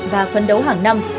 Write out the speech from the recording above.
và phân đấu hàng năm